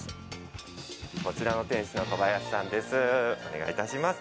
こちらの店主の小林さんです。